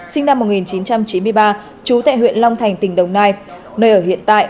sinh năm một nghìn chín trăm chín mươi ba trú tại huyện long thành tỉnh đồng nai nơi ở hiện tại